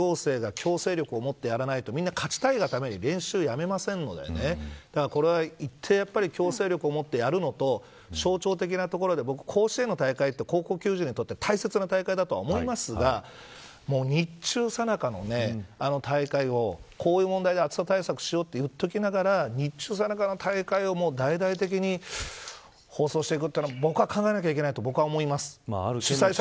これは、ある程度公が、行政が強制力を持ってやらないとみんな勝ちたいがために練習をやめませんのでこれは一定の強制力を持ってやるのと象徴的なところで甲子園の大会って高校球児にとって大切な大会だと思いますが日中さなかのあの大会をこういう問題で暑さ対策をしようと言っておきながら日中さなかの大会を大々的に放送していくというのは僕は考えないといけないと思います。